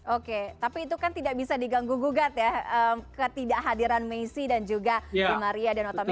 oke tapi itu kan tidak bisa diganggu gugat ya ketidakhadiran messi dan juga maria dan notabene